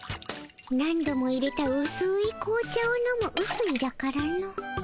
何度もいれたうすいこう茶を飲むうすいじゃからの。